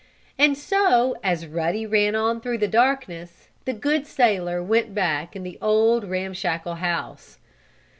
And so, as Ruddy ran on through the darkness, the good sailor went back in the old, ramshackle house.